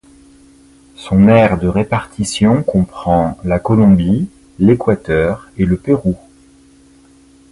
Son aire de répartition comprend la Colombie, l'Équateur et le Pérou.